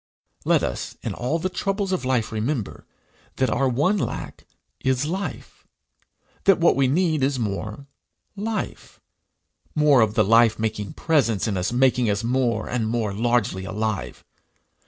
Let us in all the troubles of life remember that our one lack is life that what we need is more life more of the life making presence in us making us more, and more largely, alive.